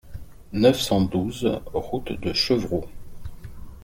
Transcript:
neuf cent douze route de Chevroux